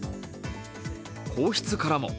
皇室からも。